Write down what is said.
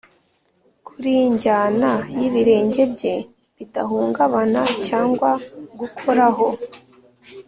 kuri injyana y'ibirenge bye bidahungabana, cyangwa gukoraho